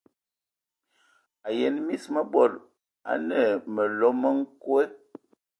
A yən mis mə bod anə məloŋ mə nkoe.